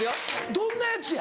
どんなやつや？